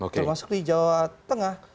termasuk di jawa tengah